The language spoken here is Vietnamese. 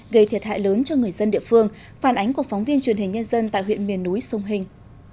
gây thiệt hại lớn cho người dân địa phương phản ánh của phóng viên truyền hình nhân dân tại huyện miền núi sông hình